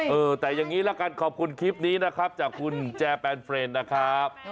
เออแต่อย่างนี้ละกันขอบคุณคลิปนี้นะครับจากคุณแจนเฟรนด์นะครับ